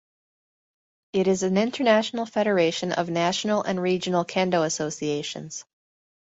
It is an international federation of national and regional kendo associations.